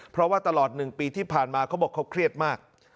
เพราะว่าตลอด๑ปีที่ผ่านมาเขาบอกเขาเครียดมาก